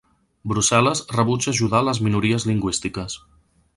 Brussel·les rebutja ajudar les minories lingüístiques.